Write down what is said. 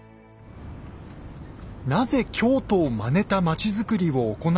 なぜ京都をまねた町づくりを行ったのか。